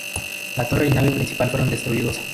La torre y la nave principal fueron destruidos.